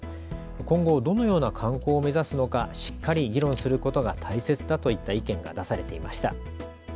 今後、どのような観光を目指すのかしっかり議論することが大切だといった意見が出されていました。